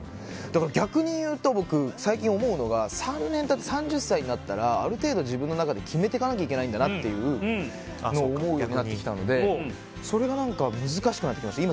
だから、逆に言うと僕、最近思うのが３年経って３０歳になったらある程度、自分の中で決めていかないといけないんだって思うようになってきたのでそれが難しくなってきました。